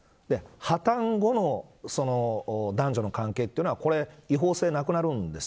破綻後の男女の関係というのはこれ、違法性はなくなるんです。